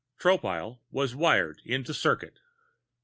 Tropile was "wired into circuit."